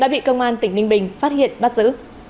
đã bị công an tỉnh ninh bình phát hiện bắt giữ